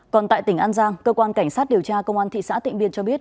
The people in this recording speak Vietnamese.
còn tại tỉnh an giang cơ quan cảnh sát điều tra công an thị xã tịnh biên cho biết